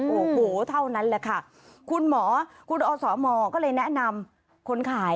โอ้โหเท่านั้นแหละค่ะคุณหมอคุณอสมก็เลยแนะนำคนขาย